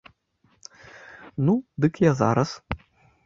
Ну, дык я зараз.